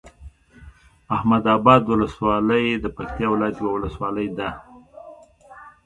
احمداباد ولسوالۍ د پکتيا ولايت یوه ولسوالی ده